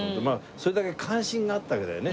それだけ関心があったわけだよね。